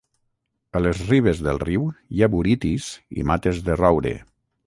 A les ribes del riu hi ha buritis i mates de roure.